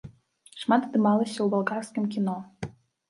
Шмат здымалася ў балгарскім кіно.